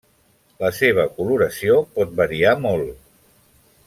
La seva coloració pot variar molt.